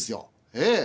ええ。